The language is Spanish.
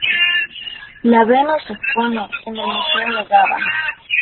La Venus se expone en el Museo de Gavá.